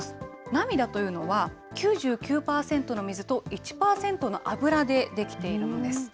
涙というのは、９９％の水と１％の油で出来ているんです。